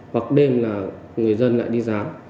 hoặc đêm là người dân lại đi gián